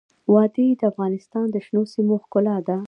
وادي د افغانستان د شنو سیمو ښکلا ده.